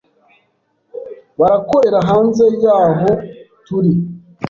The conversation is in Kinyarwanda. Barakorera hanze yahoo turi